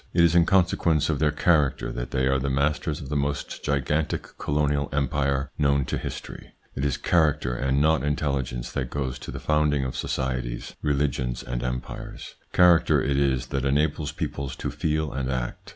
It is in consequence of their character that they are the masters of the most gigantic colonial empire known to history. It is character and not intelligence that goes to the founding of societies, religions, and empires. Character it is that enables peoples to feel and act.